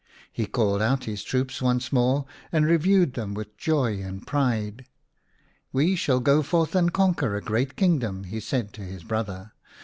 He called out his troops once more and reviewed them with joy and pride. " We shall go forth and conquer a great kingdom," he said to his brother.